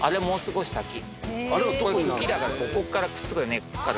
茎だからここからくっつく根っこから。